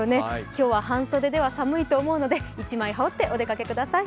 今日は半袖では寒いと思うので一枚羽織ってお出かけください。